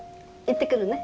行ってくるね。